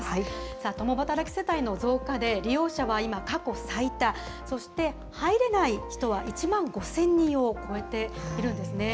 さあ、共働き世帯の増加で利用者は今、過去最多、そして入れない人は１万５０００人を超えているんですね。